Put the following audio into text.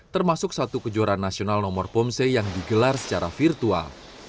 termasuk satu kejuaraan nasional nomor pomse yang digelar secara virtual